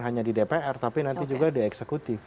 hanya di dpr tapi nanti juga di eksekutif